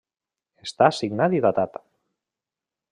Està signat i datat.